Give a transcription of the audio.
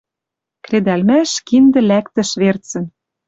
Кредӓлмӓш киндӹ лӓктӹш верцӹн.